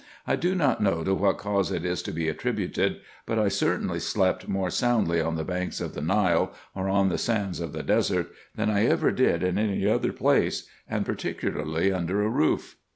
I do not know to what cause it is to be attributed, but I certainly slept more soundly on the banks of the Nile, or on the sands of the IN EGYPT, NUBIA, &c 393 desert, than I ever did in any other place, and particularly under a roof.